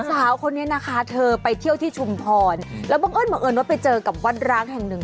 สาวคนนี้นะคะเธอไปเที่ยวที่ชุมพรแล้วบังเอิญบังเอิญว่าไปเจอกับวัดร้างแห่งหนึ่ง